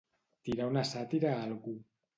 Tirar una sàtira a algú.